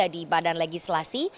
di badan legislasi